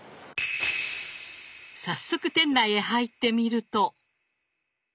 早速店内へ入ってみると。